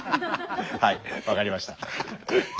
はい分かりました。